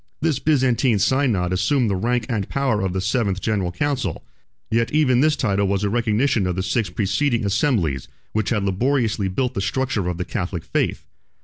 This Byzantine synod assumed the rank and powers of the seventh general council; yet even this title was a recognition of the six preceding assemblies, which had laboriously built the structure of the Catholic faith.